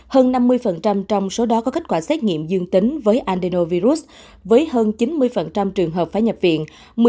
hơn năm mươi trong số đó có kết quả xét nghiệm dương tính với andenovirus với hơn chín mươi trường hợp phải nhập viện